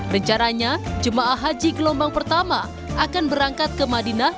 rencananya jemaah haji gelombang pertama akan berangkat ke madinah